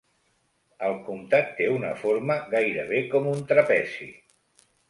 El comtat té una forma gairebé com un trapezi.